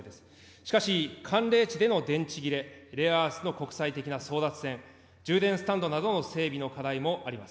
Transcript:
しかし、寒冷地での電池切れ、レアアースの国際的な争奪戦、充電スタンドなどの整備の課題もあります。